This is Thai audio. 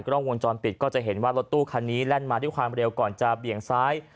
กล้องวงจรปิดก็จะเห็นว่ารถตู้คันนี้แล่นมาด้วยความเร็วก่อนจะเบี่ยงซ้าย